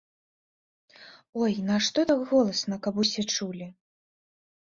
Ой, нашто так голасна, каб усе чулі.